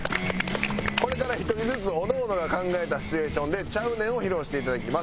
これから１人ずつおのおのが考えたシチュエーションで「ちゃうねん」を披露して頂きます。